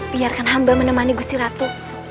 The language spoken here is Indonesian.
biarkan hamba menemani gusiratu